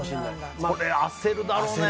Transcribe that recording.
これ、焦るだろうね。